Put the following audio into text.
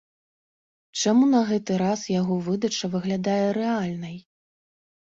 Чаму на гэты раз яго выдача выглядае рэальнай?